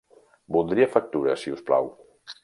Voldria factura, si us plau.